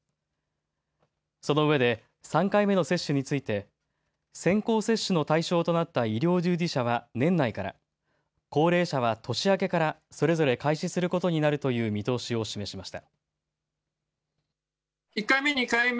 そのうえで３回目の接種について先行接種の対象となった医療従事者は年内から、高齢者は年明けからそれぞれ開始することになるという見通しを示しました。